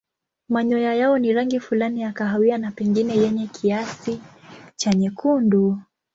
Manyoya yao ni rangi fulani ya kahawia na pengine yenye kiasi cha nyekundu.